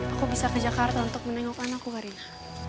aku bisa ke jakarta untuk menengok anakku karina